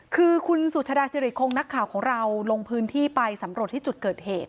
คือคุณสุชาดาสิริคงนักข่าวของเราลงพื้นที่ไปสำรวจที่จุดเกิดเหตุ